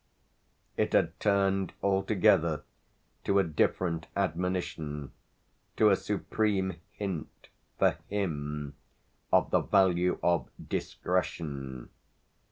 It had turned altogether to a different admonition; to a supreme hint, for him, of the value of Discretion!